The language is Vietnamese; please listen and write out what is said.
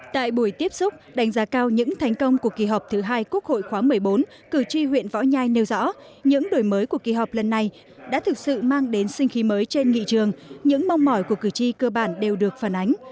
tại buổi tiếp xúc đánh giá cao những thành công của kỳ họp thứ hai quốc hội khóa một mươi bốn cử tri huyện võ nhai nêu rõ những đổi mới của kỳ họp lần này đã thực sự mang đến sinh khí mới trên nghị trường những mong mỏi của cử tri cơ bản đều được phản ánh